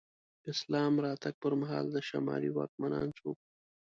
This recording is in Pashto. د اسلام راتګ پر مهال د شمالي واکمنان څوک وو؟